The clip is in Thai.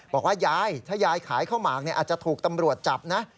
บอกว่ายายถ้ายายขายข้าวหมากอาจจะถูกตำรวจจับนะ